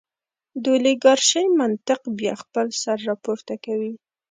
د اولیګارشۍ منطق بیا خپل سر راپورته کوي.